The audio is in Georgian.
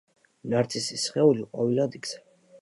ნარცისის სხეული ყვავილად იქცა.